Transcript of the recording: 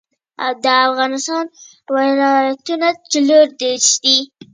د افغانستان ولايتونه د افغانستان د طبیعت د ښکلا برخه ده.